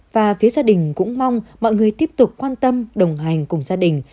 và phía gia đình cũng mong mọi người tiếp tục quan tâm đồng hành cùng gia đình